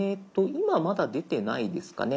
今まだ出てないですかね。